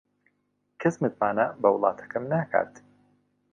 کەس متمانە بە وڵاتەکەم ناکات.